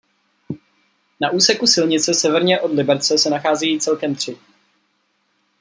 Na úseku silnice severně od Liberce se nacházejí celkem tři.